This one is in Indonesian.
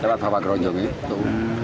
cerah bawa geronjong itu